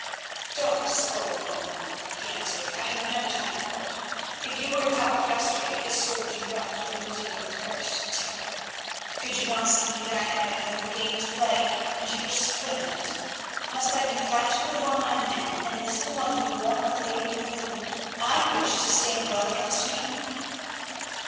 "Don't scold, woman," he answered, "I have no time for it. If you were ducked yesterday, it served you right for losing your cursed temper. Could you not see that I had my own game to play, and you were spoiling it? Must I be flouted before my men, and listen while you warn a lady with whom I wish to stand well against me?"